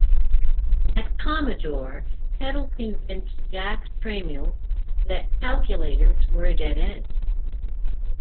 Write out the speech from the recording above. At Commodore, Peddle convinced Jack Tramiel that calculators were a dead-end.